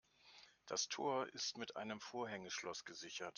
Das Tor ist mit einem Vorhängeschloss gesichert.